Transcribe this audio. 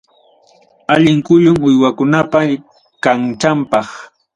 Allin kullum uywakunapa kanchanpaq.